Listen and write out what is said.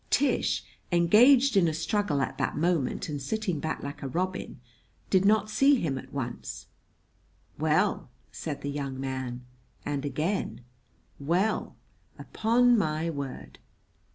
Tish, engaged in a struggle at that moment and sitting back like a robin, did not see him at once. "Well!" said the young man; and again: "Well, upon my word!"